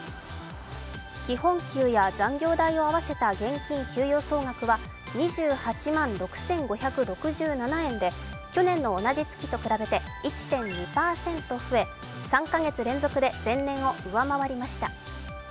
基本給や残業代を合わせた現金給与総額は２８万６５６７円で、去年の同じ月と比べて１．２％増え３カ月連続で前年を上回りました。